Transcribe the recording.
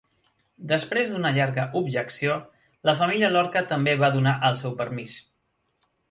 Després d'una llarga objecció, la família Lorca també va donar el seu permís.